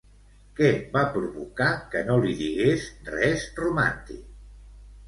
Què va provocar que no li digués res romàntic?